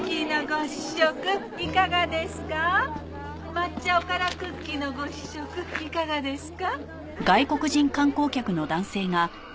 抹茶おからクッキーのご試食いかがですか？